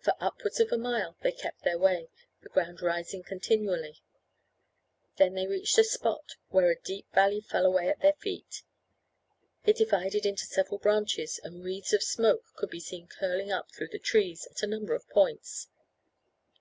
For upwards of a mile they kept their way, the ground rising continually; then they reached a spot where a deep valley fell away at their feet. It divided into several branches, and wreaths of smoke could be seen curling up through the trees at a number of points.